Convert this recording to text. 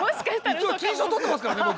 一応金賞取ってますからね僕。